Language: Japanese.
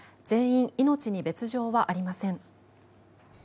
全員、命に別条はありません。